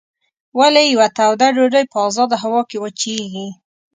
ولې یوه توده ډوډۍ په ازاده هوا کې وچیږي؟